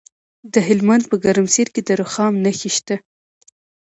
د هلمند په ګرمسیر کې د رخام نښې شته.